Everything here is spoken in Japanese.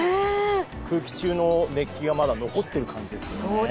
空気中の熱気がまだ残っている感じですね。